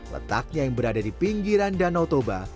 letaknya yang berada di pinggiran danau toba